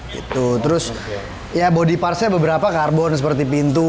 gitu terus ya body partnya beberapa karbon seperti pintu